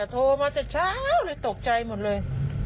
โทรมาแต่เช้าเลยตกใจหมดเลย